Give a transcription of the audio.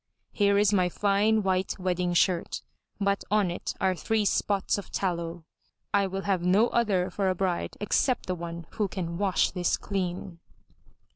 Here is my fine, white wedding shirt, but on it are three spots of tallow. I will have no other for a bride except the one who can wash this clean."